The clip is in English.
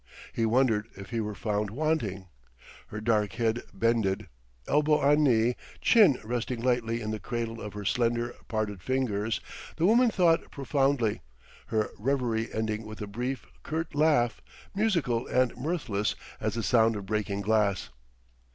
He wondered if he were found wanting.... Her dark head bended, elbow on knee, chin resting lightly in the cradle of her slender, parted fingers, the woman thought profoundly, her reverie ending with a brief, curt laugh, musical and mirthless as the sound of breaking glass.